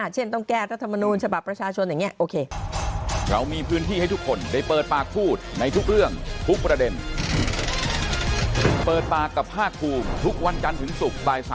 เช่นต้องแก้รัฐมนูญฉบับประชาชนอย่างนี้โอเค